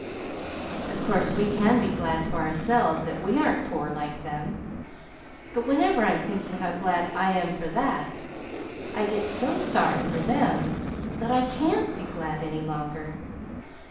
Of course we can be glad for ourselves that we aren't poor like them; but whenever I'm thinking how glad I am for that, I get so sorry for them that I CAN'T be glad any longer.